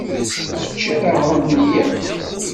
Teččiḍ aɣrum-nni akk?